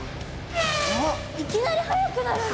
いきなり速くなるんだ。